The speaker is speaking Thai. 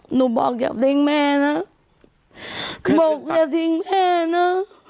หนูบอกอย่าทิ้งแม่นะบอกอย่าทิ้งแม่นะ